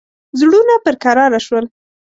زړونه پر کراره شول.